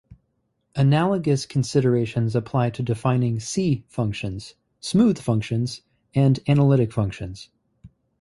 Analogous considerations apply to defining "C" functions, smooth functions, and analytic functions.